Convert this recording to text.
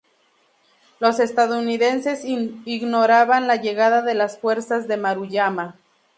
Los estadounidenses ignoraban la llegada de las fuerzas de Maruyama.